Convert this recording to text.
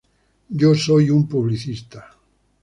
Yo soy un publicista.